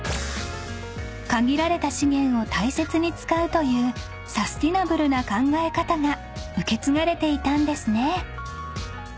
［限られた資源を大切に使うというサスティナブルな考え方が受け継がれていたんですね］